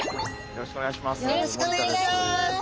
よろしくお願いします。